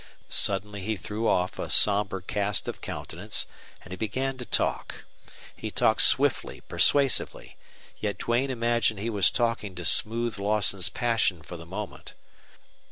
Suddenly he threw off a somber cast of countenance, and he began to talk. He talked swiftly, persuasively, yet Duane imagined he was talking to smooth Lawson's passion for the moment.